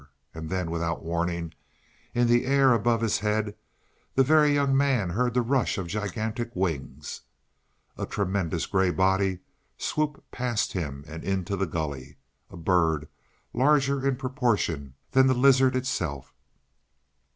And then, without warning, in the air above his head the Very Young Man heard the rush of gigantic wings. A tremendous grey body swooped past him and into the gully a bird larger in proportion than the lizard itself....